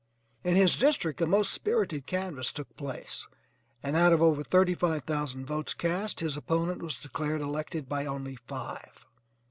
In his district a most spirited canvass took place, and out of over thirty five thousand votes cast, his opponent was declared elected by only five.